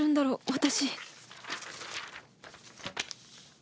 私